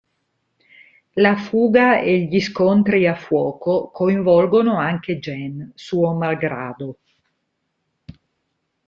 La fuga e gli scontri a fuoco coinvolgono anche Jen, suo malgrado.